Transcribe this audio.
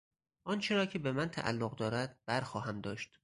آنچه را که بهمن تعلق دارد برخواهم داشت.